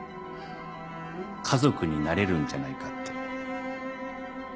家族になれるんじゃないかって。